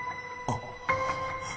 あっ。